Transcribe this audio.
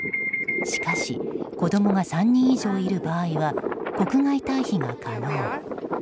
しかし子供が３人以上いる場合は国外退避が可能。